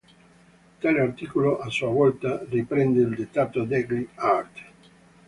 Tale articolo a sua volta riprende il dettato degli artt.